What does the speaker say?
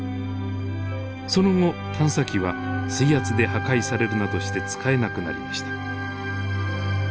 その後探査機は水圧で破壊されるなどして使えなくなりました。